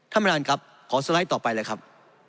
ท่านประธานครับขอสไลด์ต่อไปเลยครับ